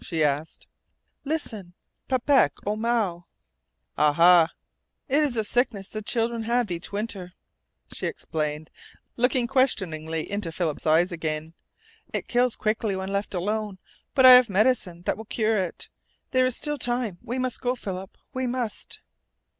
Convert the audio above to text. she asked. "Listen! Papak oo moo?" "Aha." "It is a sickness the children have each winter," she explained, looking questioningly into Philip's eyes again. "It kills quickly when left alone. But I have medicine that will cure it. There is still time. We must go, Philip. We must!"